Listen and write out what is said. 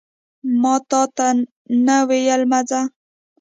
ماتاته نه ویل مه ځه